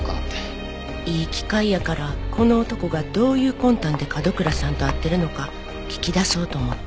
いい機会やからこの男がどういう魂胆で角倉さんと会ってるのか聞き出そうと思って。